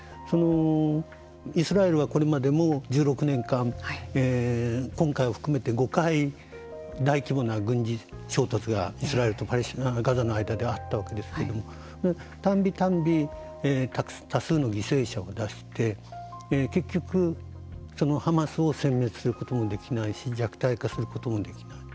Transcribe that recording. イスラエルはこれまでも１６年間今回を含めて５回大規模な軍事衝突がイスラエルとガザの間であったわけですけれどもあったわけですけれどもたびたび多数の犠牲者を出して結局ハマスをせん滅することもできないし弱体化することもできない。